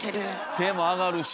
手も上がるし。